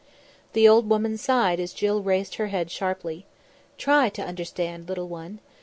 The old woman sighed as Jill raised her head sharply: "Try to understand, little one.